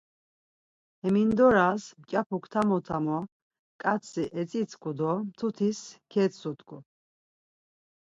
Hemindoras mǩyapuk tamo tamo ǩatzi etzitzǩu do mtutis ketzudgu.